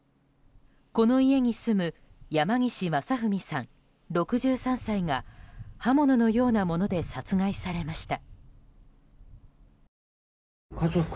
この家に住む山岸正文さん、６３歳が刃物のようなもので殺害されました。